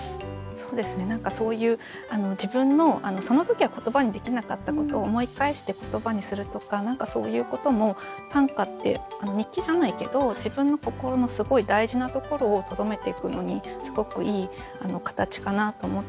そうですね何かそういう自分のその時は言葉にできなかったことを思い返して言葉にするとか何かそういうことも短歌って日記じゃないけど自分の心のすごい大事なところをとどめていくのにすごくいい形かなと思っていて。